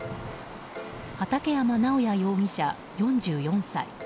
畠山直也容疑者、４４歳。